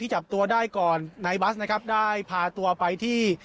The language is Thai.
ที่จับตัวได้ก่อนนายบัสได้พาตัวไปที่